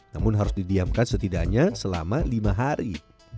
namun harus didiamkan setidaknya selama lima hari